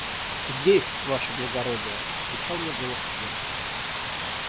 «Здесь, ваше благородие», – отвечал мне голос сверху.